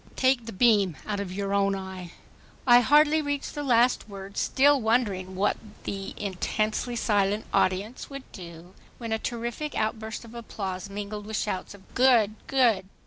Take the beam out of your own eye." I hardly reached the last word, still wondering what the, intensely silent audience would do, when a terrific outburst of applause mingled with shouts of "Good! Good!